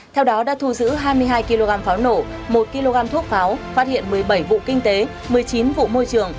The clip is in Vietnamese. theo đó đã thu giữ hai mươi hai kg pháo nổ một kg thuốc pháo phát hiện một mươi bảy vụ kinh tế một mươi chín vụ môi trường